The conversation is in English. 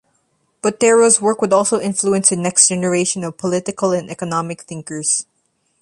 Botero's work would also influence the next generation of political and economic thinkers.